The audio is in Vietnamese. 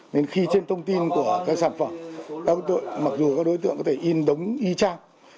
nên khi trên thông tin của các sản phẩm mặc dù các đối tượng có thể in đống y trang